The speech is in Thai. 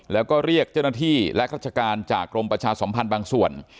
แล้วก็เรียกเจ้าหน้าที่และราชการจากกรมประชาสมพันธ์บางส่วน